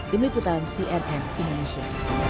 dini putaran cnn indonesia